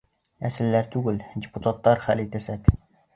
Әсәләр түгел, депутаттар хәл итәсәк